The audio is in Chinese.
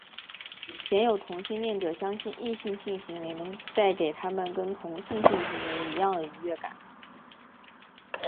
鲜有同性恋者相信异性性行为能带给他们跟同性性行为一样的愉悦感。